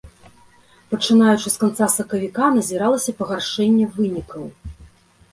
Пачынаючы з канца сакавіка назіралася пагаршэнне вынікаў.